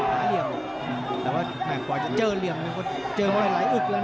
หาเหลี่ยมแต่ว่าแม่งกว่าจะเจอเหลี่ยมก็เจอมาก็ไหลอึกแล้วนะ